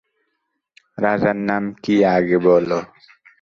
রাজার নাম কী আগে বলো।